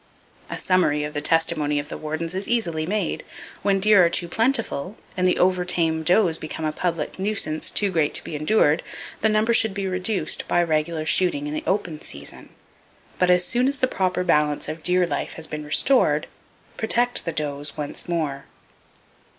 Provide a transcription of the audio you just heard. A summary of the testimony of the wardens is easily made. When deer are too plentiful, and the over tame does become a public nuisance too great to be endured, the number should be reduced by regular shooting in the open season; but, As soon as the proper balance of deer life has been restored, protect the does once more.